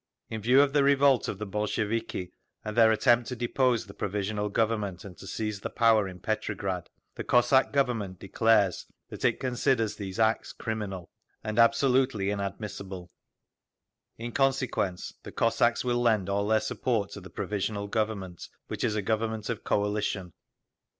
In view of the revolt of the Bolsheviki, and their attempt to depose the Provisional Government and to seize the power in Petrograd… the Cossack Government declares that it considers these acts criminal and absolutely inadmissible. In consequence, the Cossacks will lend all their support to the Provisional Government, which is a government of coalition.